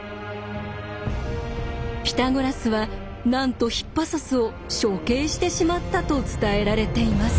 ピタゴラスはなんとヒッパソスを処刑してしまったと伝えられています。